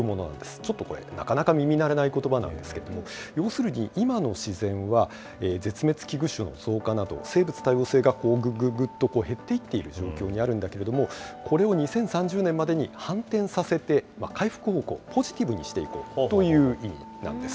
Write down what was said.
ちょっとこれ、なかなか耳慣れないものなんですけれども、要するに今の自然は、絶滅危惧種の増加など、生物多様性がぐぐぐっと減っていっている状況にあるんだけれども、これを２０３０年までに反転させて、回復方向、ポジティブにしていこうという意味なんです。